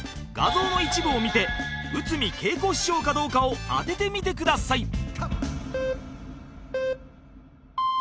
画像の一部を見て内海桂子師匠かどうかを当ててみてください